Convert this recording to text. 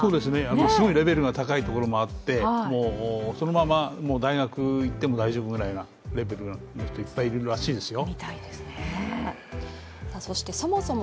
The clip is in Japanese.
すごいレベルが高いところもあってそのまま大学に行っても大丈夫ぐらいなレベルの人いっぱいいるらしいですよ。